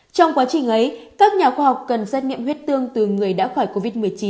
trong quá trình ấy các nhà khoa học cần xét nghiệm huyết tương từ người đã khỏi covid một mươi chín